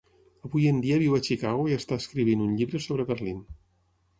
Avui en dia viu a Chicago i està escrivint un llibre sobre Berlín.